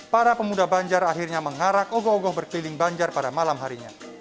para pemuda banjar akhirnya mengarak ogoh ogoh berkeliling banjar pada malam harinya